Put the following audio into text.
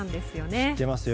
知っていますよ。